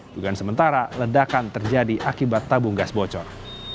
dugaan sementara ledakan terjadi akibat tabung gas bocor